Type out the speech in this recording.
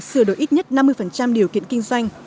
sửa đổi ít nhất năm mươi điều kiện kinh doanh